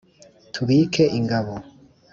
tubike ingabo,